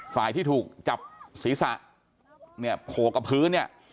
ฝ่ายที่ถูกจับศีรษะเนี่ยโขกกับพื้นเนี่ย